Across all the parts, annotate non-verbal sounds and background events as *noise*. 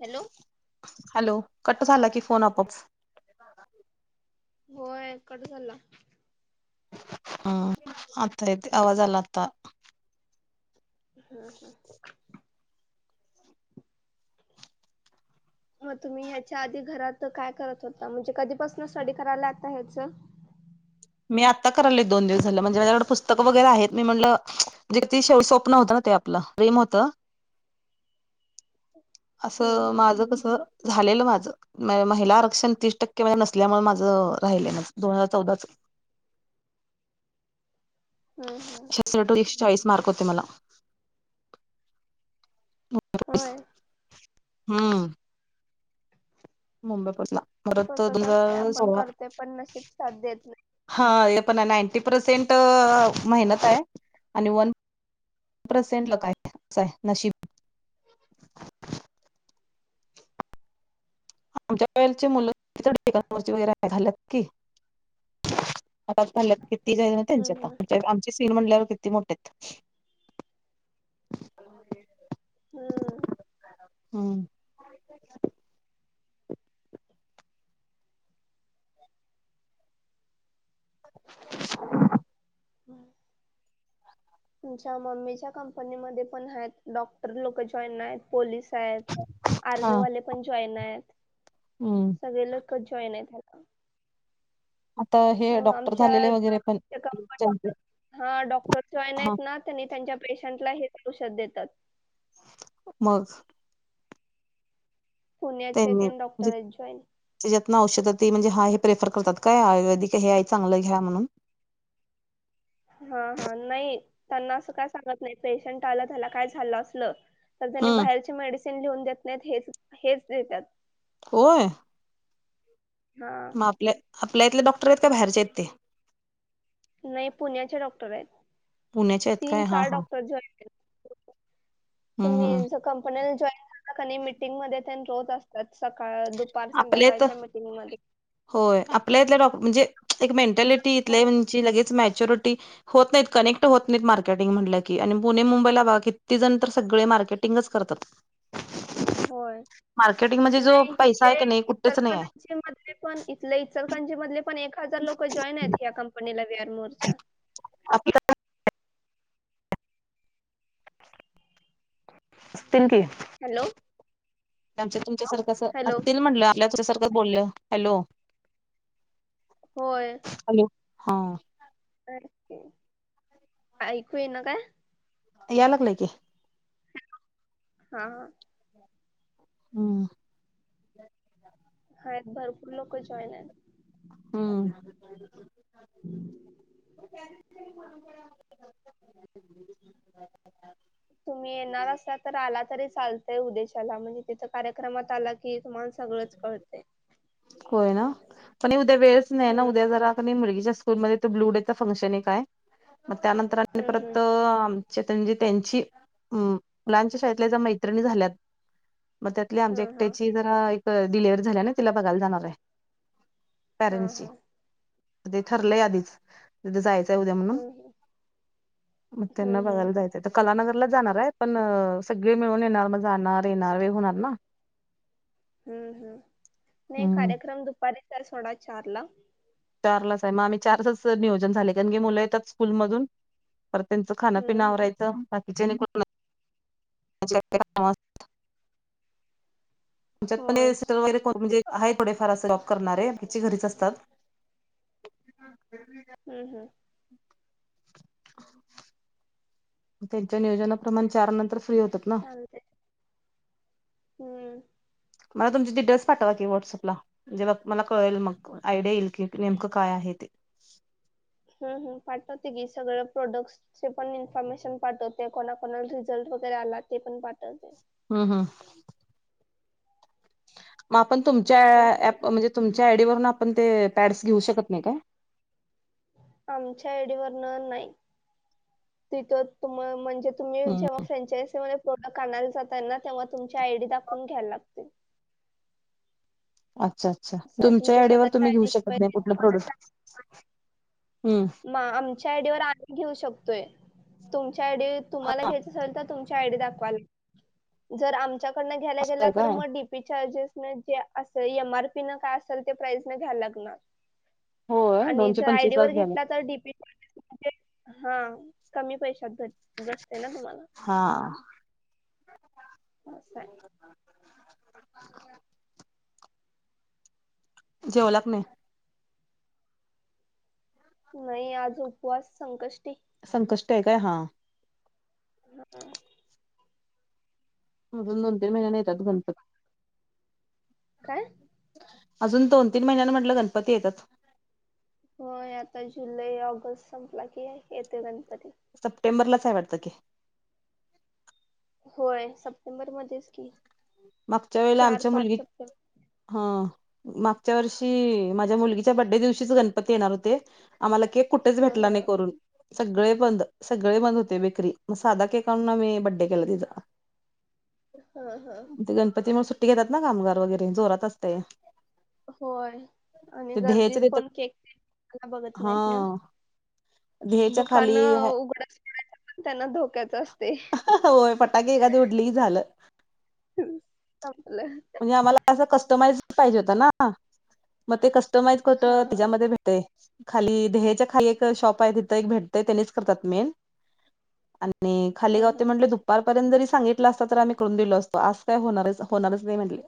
Hello hello, cut झाला की phone आपच होय, कट झाला ह, आता येतो आवाज आला आता. हम्म, हम् मग तुम्ही ह्याच्या आधी घरात काय करत होता? म्हणजे, कधीपासून स्टडी करायला आता ह्याच. *unintelligible* मी आता कराली दोन दिवस झालं, म्हणजे माझ्याकडे पुस्तक वगैरे आहेत, मी म्हटलं, जे कि ते स्वप्न होतं ना, ते आपलं. प्रेम होतं? *unintelligible* असं हम्म माझं कस झालेलं माझं महिला आरक्षण तीस टक्के नसल्यामुळे माझं राहिलं दोन हजार चौदाच *unintelligible* हम्म हम्म *inaudible* चाळीस मार्क होते मला *inaudible* होय हम्म मुंबईपला परत दु तसच असते आपण सोळा करतोय पण नशीब साथ देत नाही हा पण नाइनटी पर्सेंट मेहनत आहे आणि वन प सेंट ल का आहे असं आहे नशीब *unintelligible* आमच्या वेळेचे मुलं *inaudible* किती जाल ना त्यांची हम्म आता आमची सीन म्हणल्यावर किती मोठेत हम्म हम्म *inaudible* हम्म तुमच्या मम्मीच्या कंपनीमध्ये पण आहेत डॉक्टर लोक जॉईन आहेत पोलिस त आहेत हा आर्मी वाले पण जॉइन आहेत हम्म सगळी लोकं खूप जॉइन आहेत अजून आता हे डॉक्टर झालेले वगैरे पण हा डॉक्टरशिवाय हा नाहीत ना त्यांनी त्यांच्या पेशंटला हेच औषध देतात मग पुण्याचे त्यांनी तेन डॉक्टर म्हणजे आहेत जॉइन त्याच्यातन औषधं म्हणजे हा प्रेफर करतात का आयुवेदिक हे चांगलं घ्या म्हणून हा हा नाही त्यांना असं काय सांगत नाही पेशंट आलं त्याला काय झालं असल तर त्यांनी हम्म बाहेरचे मेडिसिन लिहून देत नाहीत हेच देतात होय हा मग आपल्या आपल्या इथले डॉक्टर आहेत का बाहेरचे आहेत ते नाही पुण्याचे डॉक्टर आहेत पुण्याचे आहेत तीन काय हा चार हा डॉक्टर जे अस हम्म तुम्ही कंपनीला जॉइन झाला की नाही मीटिंग मध्ये तेन रोज असत्यात सका आपल्या इथ होय आपल्यातल्या डॉ म्हणजे एक मेंटॅलिटी इथय होय म्हणे लगेच म चिरोटी होत नाही कनेक्ट होत नाहीत मार्केटिंग म्हणलं की आणि पुणे मुंबईला बघा किती जण तर सगळे मार्के मार्केटिंगच करतात. मार्केटिंग म्हणजे जो पैसा आहे की नाही कुठेच नाही आहे. इतरकांचे मले पण इथल्या इतरकांचे मधले पण एक हजार लोक जॉइनेत या कंपनी ला वी आर मोर् च्या. आपल्या असतील की हॅलो आमच्या- तुमच्या सारख हॅलो असतील म्हंलं आपल्यासारख बोल हॅलो. होय. ह. ऐकू यईना काय? यालागलय की. हा ह. हम्म. हा भरपूर लोक जॉईने. ह हम्म *inaudible* *unintelligible* तुम्ही येणार असा तर आला तरी चालतय उदेशाला म्हणजे तिथ कार्यक्रमात आला कि तुम्हाला सगळच कळते. होय ना पण उद्या वेळच नाही ना उद्या जरा मुलगीच्या स्कूलमध्येत ब्लू डे फंक्शने काय? मग त्यानंतर हम्म हम्म परत म्हणजे त्यांची मुलांच्या शाळेतल्या ज्या मैत्रिणी झाल्यात, मग त्यातली आमच्या हा हा एकट्याची जरा एक डिलेवरी झाली ना तिला बघायला जाणारे. हा हा. ते ठरलंय आधीच. तिथ जायचंय उद्या म्हणून हम्म मग हम्म त्यांना हम्म बघायला जायचंय त कालन लच जाणारे पण सगळे मिळून येणार मग जाणार येणार होणार ना. हम्म हम्म नाही हम्म कार्यक्रम दुपारी तर सोडा चार ला. चारलाचे मग आम्ही चारचच नियोजन झाले कारण की मुलं येतात स्कूलमधून. पर त्यांचं हम्म खानापिना हम्म आवरायं. विज *unintelligible* तुच्यात प होय सिटर वगैर कर म्हणजे आहे थोडे फार अस जॉब करणारे ह्याची घरीच असतात. हम्म हम्म. *inaudible* त्यांच्या नियोजनाप्रमाण चार नंतर फ्री होतात ना. चालतंय हम्म. मला तुमचे डटेल्स पाठवा की व्हटसअपला. म्हणजे बघ मला कळेल मग आयडिया येईल की नेमकं काय आहे ते. हम्म हम्म. पाठवते की सगळ प्रोडक्ट चे पण इन्फॉर्मेशन पाठवते कोणा, कोणा रिझल्ट वगैरे आला ते पण पाठवते. हम्म हम्म. म आपण तुमच्या ते पण ॲप सगळं म्हणजे तुमच्या आडी वरुन आपण ते पॅड्स घेऊ शकत नाही काय? आमच्या आडीवरन नाही तिथ तुम म्हणजे तुम्ही हम्म जेव्हा फ्रचायसी मध्ये प्रॉडक्ट आनाला जात ना तेव्हा तुमची आयडी दाखवून घ्यायला लागतील. अच्छा अच्छा तुमच्या आडीवर तुम्ही घेऊ आयडी शकत शिवाय नाही देत- कुठलं प्रोडक्ट. हम् म आमच्या आयडीवर आम् घेऊ शकतोय तुमच्या आयडी तुम्हाला घ्यायच असेल त तु ची आयडी दाखवायला जर आमच्याकडन घ्यायला असं गेले आहे तर काय डीपी चार्जेस. अस एम आर पी न काय असल ते प्राइज न घ्याला लागणार. होय आणि दोनशे जर पंचवीस आयडी वर लाच घेत घ्याला तर डीपी च्स म्हणज हा कमी पैशात घट. बसते ना तुम्हाला हा ह सर. जेवलाग न. नाही आज उपवास संकष्टी. संकष्ट आहे काय हां. हम. दून दोन तीन महिन्याने येतात गणपती काय? अजून दोन तीन महिन्यांनी म्हटलं गणपती येतात. हो आता जुलै ऑगस्ट संपला की येते. सप्टेंबरलाच आहे वाटतं की होय सप्टेंबर मध्येच की मागच्या वेळेला चार आमच्या पाच मुलगी सप्टेंबर हा. मागच्या वर्षी माझ्या मुलगीच्या बडडे दिवशीच गणपती येणार होते आम्हाला केक. कुठेच हा भेटला हा नाही करून सगळे बंद सगळे बंद होते बेकरी मग साधा केक आणूनम्ही बड्डे केला तिचां ह. ते गणपतीमुळे सुट्टी घेतात ना कामगार वगैरे जोरात असते. होय. आणि गर्दीत ध्येयच्या तिथं कोण केक मला बघत नाहीत ना. ध्येच्या खाली. दुकानं उघडच पण त्यांना धोक्याच असते होय फटाके एखादी उडलीही झालं. संपलं. म्हणजे आम्हाला असं कस्टमाइज पाहिजे होत ना. मग ते कस्टमाइज करत हा हा त्यािच्यामध्ये भेटय. खाली देहाच्या खाली एक शॉप आहे तिथ एक भेटतय त्यानीच करतात मेन. आणि खाली हा गावते हा म्हटले दुपारपर्यंत जरी सांगितलं असता तर आम्ही करून दिलो असतो आज काय होणार होणारच हनाही म्हंटले.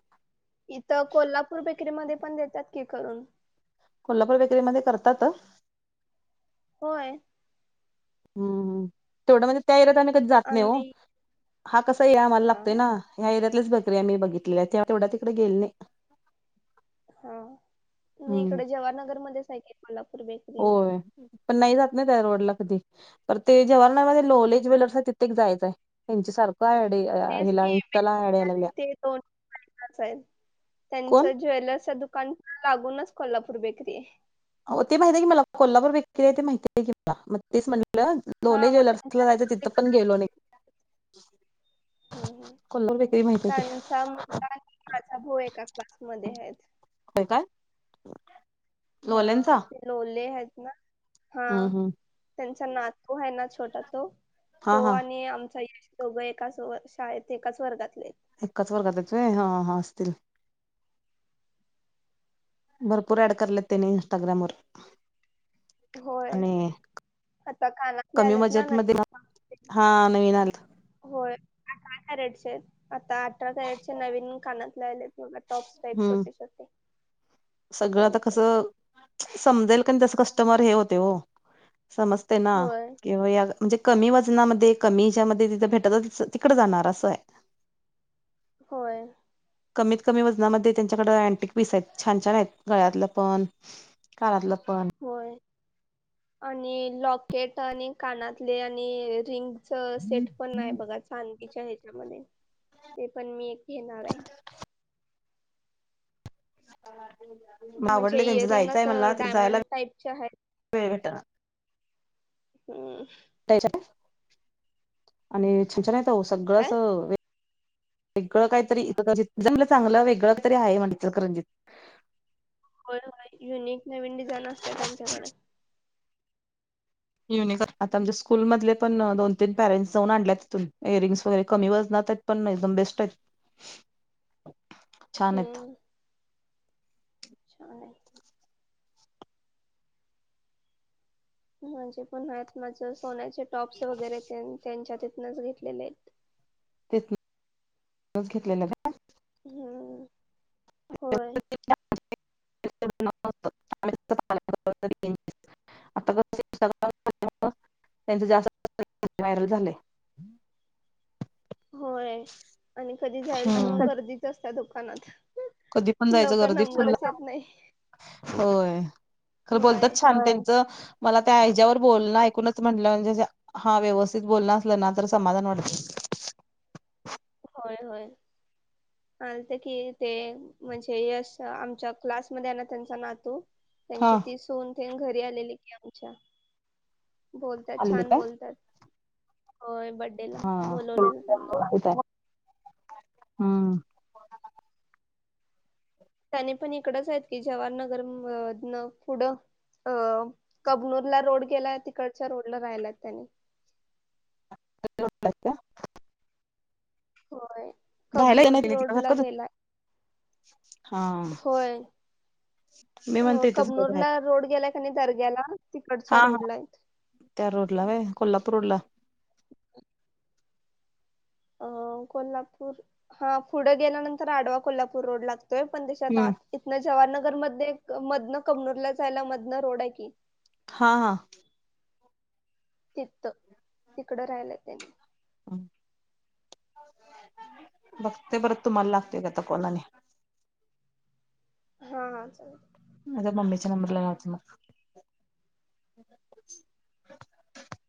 इथं कोल्हापूर बेकरी म पण देतात की करून. कोल्हापूर बेकरीमध्ये करतात. होय. हम्मम् तेवढं म्हणजे त्या एरियात कधी जात नाही हो. आम्ही हा कसा आहे ए आम्हाला हा लागतोय हा ना ह्या च बकरीया मी बघित तेवढा तिकडे गेल नाही. हा मी हम्म इकडे जवाहरनगरमध्येध्येचऐक कोल्हापूर बेकरी. होय पण नाही जात नाही त्या रोडला कधी तर ते जवारनामध्ये हा, लोले ज्वेलर्स आहे तित्येक जायचं आहे त्यांच्या सारखं. काय आय डी तेच हिला की इन्स्टा ला आय डी यायलागल्या. त्यांच ज्वेलरस दुकान लागूनच कोल्हापूर बेकरी. ते माहित आहे की मला कोल्हावरर वेक आहे ते माहित आहे की मला मग तेच म्ह हा लोले मग ज्वेलर्सला त्यांच्याच जायचं तिथं पण गेलो नाही. हम् त्यांचा मुगला माझा भाऊ एका क्लासमध्ये आहेत. होय काय. हा लोल्यांचा? ते लोले आहेत ना हा हम्म हम्म त्यां नातो आहे ना छोटा तो हा तो हा आणि आमचाश दोघं एकाच व शाळेत एकाच वर्गातले. एकाच वर्गात आहित होय हा हा असतील. भरपूर ऍड करले त्यांने इन्स्टाग्रामवरर. होय. आता कानातले कमी आलेत ना बजेटमध्ये नवीण हा नवीन आलेत होय. *unintelligible* कॅरेटचे आहेत आतात अठरा कॅरेटचे चे नवीन कानात लाले मला टॉप्स टाईप हम्म. छोटे छोटे. सगळं त त्यांचे. कसं समजल काण तसं कस्टमर हे होते हो. समजते ना, होय किंवा या म्हणजे कमी वजनामध्ये कमीज्यामध्ये तिथं भेटत तिकडे ज णार असं आय. होय. कमीत कमी वजनामध्ये त्यांच्याकडं अँटीक पीस आहेत. छान छान आहेत, गळ्यातलं पण. कानातलं. पण. होय आणि लॉकेट, आणि कानातले, आणि रिंग. चं सेट पण नाही बघा चान च्या हेच्यामध्ये ते पण मी एक घेणार आये. *inaudible* म म्हणजे आवडले त्यांच इयरिंग जायचं आहे असं मला ते जायला डायमंड टाईपचे आहेत. *inaudible* वेळ भेटना. हम् *unintelligible* आणि छछनत ओ सगळं काय असं वे *inaudible* वेगळं काहीतरी *unintelligible* चांगलं वेगळं तरी आहे म्हण इचलकरनजित. *unintelligible* युनिक नवीन डिझाईन असते त्यांच्याकडं. *unintelligible* स्कूल मधले पण दोन तीन पॅरेंट्स जाऊन आणल्या तिथून इयरिंग् वैर कमी वजणा *unintelligible* पण नाई एकदम बेस्ट आएत. *inaudible* आहेत हम्म छान आय. म्हणजे *unintelligible* सोन्याचे टॉप्स वगैरे त्यां त्यांच्या नच घेतलेले आहेत. तेच *unintelligible* नच घेतलेलं का हम्म *unintelligible* होय *unintelligible* आता क *unintelligible* त्यांचं जास् *unintelligible* व्हायरल झालय. होय, आणि कधी जाईल तेवां हम्म गर्दीच असत्या दुकानात. कधी पण जायचं लवकर गर्दी फुल्ल नंबरच येत नाही. होय, ख बोलतात होय छान त्यांचं मला त्या हेज्यावर बोलणं ऐकूनच म्हंटलं म्हणजे हा व्यवस्थित बोलणं असलं ना तर समाधान वाटतं. होय होय लतं कि ते म्हणजे यश आमच्या क्लास मध्ये आहे ना त्यांचा नातू. हा त्यांची ती सुन तेन घरी आलेली की आमच्या. बोलतात आलेली छान काय बोलतात. होय बड्डे ला हा बोलवलेलं त्यांना. इथं आहे हम्म त्यानी पण इकडच आहेत की जवाहर नगर म द्नं पुढं. अं कबनूरला रोड गेलाय तिकडच्या रोडला राहिल्याल त्यानी. *unintelligible* होयृ राहायला कबनूर रोड ला गेला, हा होय. मी अ म्हणते इथंच राहायला. कबनूरला रोड गेलाय कनई दर्ग्याला हा तिकडच्या हा रोड ला आईत. त्या रोड ला वय, कोल्हापूर रोड ला. अं कोल्हापूर हां फुढं गेल्यानंतर आडवा कोल्हापूर रोड ला. तेय पण देशात हम्म आत, इथन जवाहरनगर मध्ये मधनं कबनूरला जायला मधनं रोड आय कि. हां-हां तितथ तिकडं, राहिलं त्यांनी. हम्, बघते बर तुम्हाला लागते, का कॉल आणि, हा हा चालल, माझ मम्मीच्या नंबर ला लावते मग,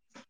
*unintelligible*